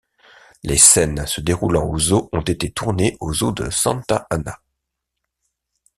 Les scènes se déroulant au zoo ont été tournées au zoo de Santa Ana.